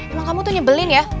emang kamu tuh nyebelin ya